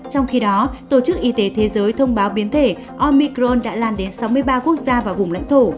trong khi đó tổ chức y tế thế giới thông báo biến thể omicron đã lan đến sáu mươi ba quốc gia và vùng lãnh thổ